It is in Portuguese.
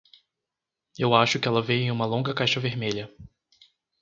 Eu acho que ela veio em uma longa caixa vermelha.